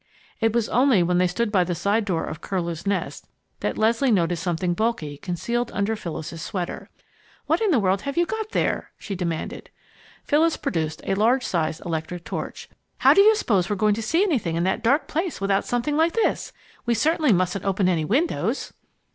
It was only when they stood by the side door of Curlew's Nest that Leslie noticed something bulky concealed under Phyllis's sweater. "What in the world have you got there?" she demanded. Phyllis produced a large sized electric torch. "How do you suppose we are going to see anything in that dark place without something like this? We certainly mustn't open any windows."